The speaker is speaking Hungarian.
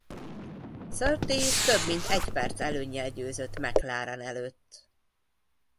Surtees több mint egy perc előnnyel győzött McLaren előtt.